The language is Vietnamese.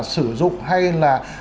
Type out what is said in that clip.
sử dụng hay là